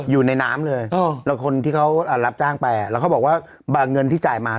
อยู่ในน้ำเลยแล้วคนที่เขารับจ้างไปแล้วเขาบอกว่าเงินที่จ่ายมา